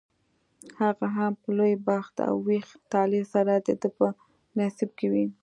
هغه هم په لوی بخت او ویښ طالع سره دده په نصیب کې وي.